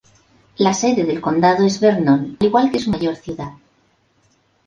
La sede del condado es Vernon, al igual que su mayor ciudad.